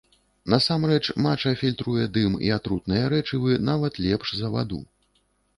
Насамрэч, мача фільтруе дым і атрутныя рэчывы нават лепш за ваду.